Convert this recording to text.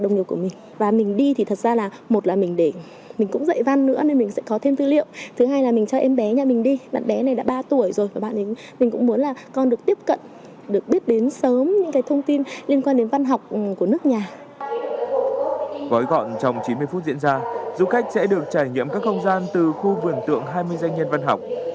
gói gọn trong chín mươi phút diễn ra du khách sẽ được trải nghiệm các không gian từ khu vườn tượng hai mươi danh nhân văn học